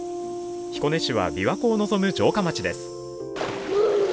彦根市はびわ湖を臨む城下町です。